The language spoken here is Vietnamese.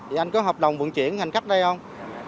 thì anh có hợp đồng vận chuyển hành khách đây không